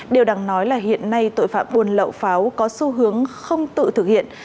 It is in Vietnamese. điều đáng nói là hiện nay tội phạm buôn lậu pháo có xu hướng không tự thực hiện